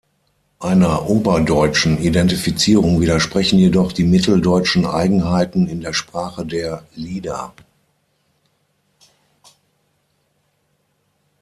Einer oberdeutschen Identifizierung widersprechen jedoch die mitteldeutschen Eigenheiten in der Sprache der Lieder.